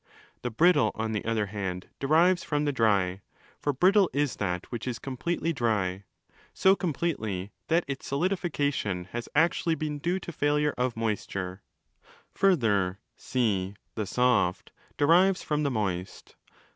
'The brittle', on the other hand, derives from the dry: for 'brittle' is that which is completely dry—so completely, that its solidification has actually been due to failure of moisture. Further (c) 'the soft' derives from the moist.